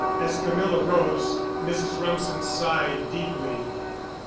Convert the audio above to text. As Camilla rose, Mrs. Rumsen sighed deeply.